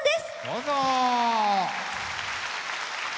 どうぞ！